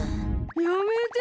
やめて。